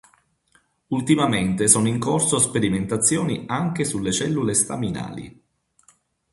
Ultimamente sono in corso sperimentazioni anche sulle cellule staminali.